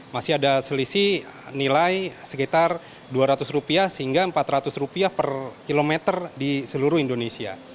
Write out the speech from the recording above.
masih ada selisih nilai sekitar rp dua ratus rupiah sehingga empat ratus rupiah per kilometer di seluruh indonesia